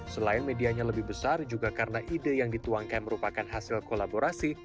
selain medianya lebih besar juga karena ide yang dituangkan merupakan hasil kolaborasi